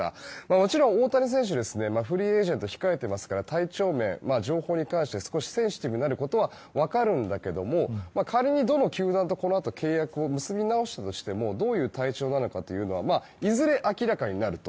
もちろん、大谷選手フリーエージェントが控えてますから体調面、情報に関して少しセンシティブになるのは分かるんだけども仮にどの球団とこのあと契約を結び直したとしてもどういう体調なのかはいずれ明らかになると。